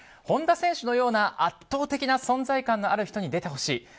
本田選手のような圧倒的な存在感のある人に出てほしい。